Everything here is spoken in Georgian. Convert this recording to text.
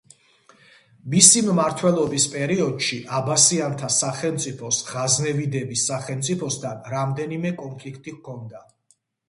მისი მმართველობის პერიოდში აბასიანთა სახალიფოს ღაზნევიდების სახელმწიფოსთან რამდენიმე კონფლიქტი ჰქონდა.